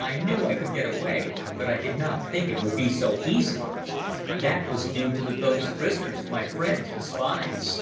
I knew I could get away, but I did not think it would be so easy. That was due to the bogus prisoners, my friends, the spies.